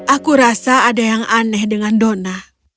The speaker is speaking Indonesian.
aku rasa ada yang aneh dengan dona